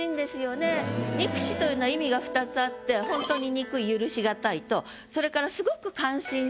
「憎し」というのは意味が２つあって「ホントに憎い許しがたい」とそれから「すごく感心する」。